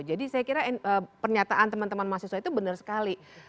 jadi saya kira pernyataan teman teman mahasiswa itu benar sekali